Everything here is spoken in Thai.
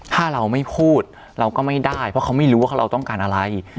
ถ้าเราไม่พูดเราก็ไม่ได้เพราะเขาไม่รู้ว่าเราต้องการอะไร